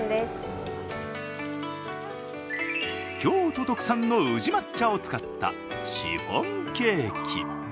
京都特産の宇治抹茶を使ったシフォンケーキ。